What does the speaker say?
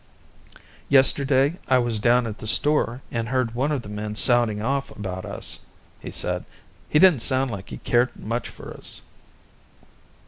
"Yesterday I was down at the store, and I heard one of the men sounding off about us," he said. "He didn't sound like he cared much for us."